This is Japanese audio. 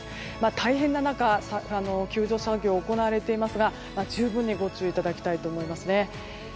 大変な中救助作業が行われていますが十分にご注意いただきたいと思います。